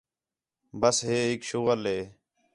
ٻس ہے ہِک شُغل ہِے